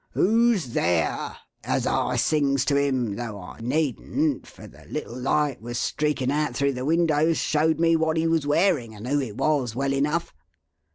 'Who's there?' as I sings to him, though I needn't, for the little light was streaking out through the windows showed me what he was wearing and who it was well enough.